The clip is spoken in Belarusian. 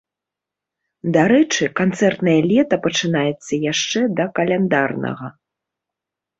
Дарэчы, канцэртнае лета пачынаецца яшчэ да каляндарнага.